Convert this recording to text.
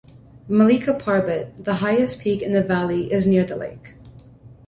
Malika Parbat, the highest peak in the valley is near the lake.